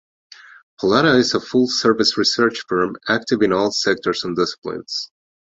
Pollara is a full-service research firm active in all sectors and disciplines.